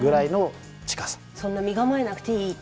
そんな身構えなくていいと？